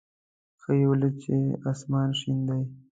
ښه یې ولېده چې اسمان شین دی.